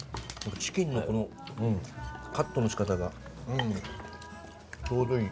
チキンのこのカットのしかたがちょうどいい。